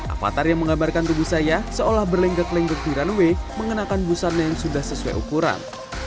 avatar yang menggambarkan tubuh saya seolah berlenggak lenggok di runway mengenakan busana yang sudah sesuai ukuran